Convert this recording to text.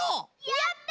やった！